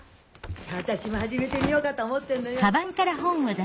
私も始めてみようかと思ってんのよフフフ。